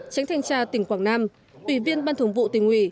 tránh thanh tra tỉnh quảng nam ủy viên ban thường vụ tỉnh ủy